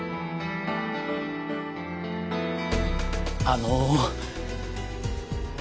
あの。